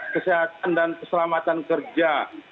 kesehatan dan keselamatan kerja